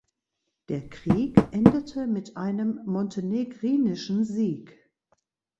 Der Krieg endete mit einem montenegrinischen Sieg.